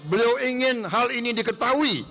beliau ingin hal ini diketahui